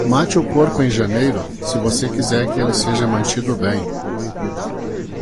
Mate o porco em janeiro, se você quiser que ele seja mantido bem.